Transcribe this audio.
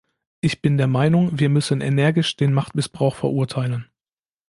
Ich bin der Meinung, wir müssen energisch den Machtmissbrauch verurteilen.